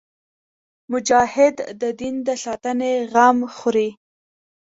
مجاهد د دین د ساتنې غم خوري.